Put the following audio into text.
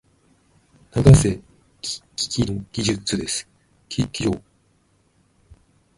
永瀬貴規の技術です。